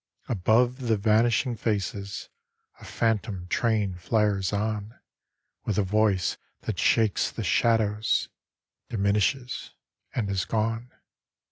Above the vanishing faces A phantom train flares on With a voice that shakes the shadows, Diminishes, and is gone.